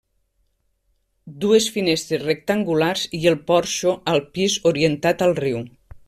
Dues finestres rectangulars i el porxo, al pis, orientat al riu.